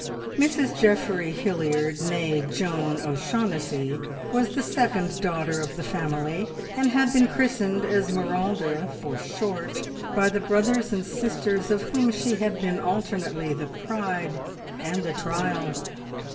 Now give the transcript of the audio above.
Mrs Geoffrey Hilliard, nee Joan O'Shaughnessy, was the second daughter of the family, and had been christened Esmeralda "for short" by the brothers and sisters of whom she had been alternately the pride and the trial.